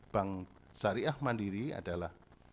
bank syariah mandiri adalah